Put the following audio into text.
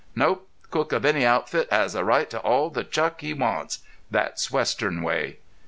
"Nope. Cook of any outfit has a right to all the chuck he wants. That's western way."